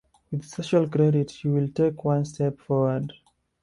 With Social Credit, you will take one step forward.